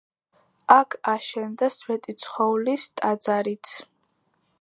აქ აშენდა სვეტიცხოვლის ტაძარიც.